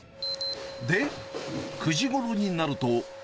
で、９時ごろになると。